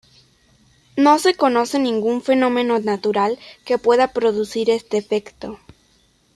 No se conoce ningún fenómeno natural que pueda producir este efecto.